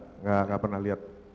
sekarang juga gak pernah lihat